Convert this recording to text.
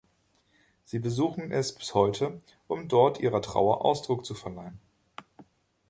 Sie besuchen es bis heute, um dort ihrer Trauer Ausdruck zu verleihen.